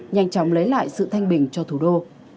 nhanh chóng lấy lại sự thanh bình cho thủ đô